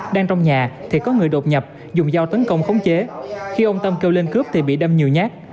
đang trong nhà thì có người đột nhập dùng dao tấn công khống chế khi ông tâm kêu lên cướp thì bị đâm nhiều nhát